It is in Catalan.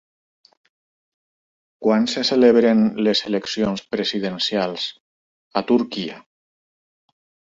Quan se celebren les eleccions presidencials a Turquia?